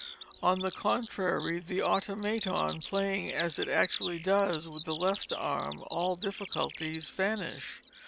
On the contrary, the Automaton playing, as it actually does, with the left arm, all difficulties vanish.